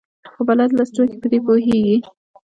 خو بلد لوستونکي په دې ښه پوهېږي.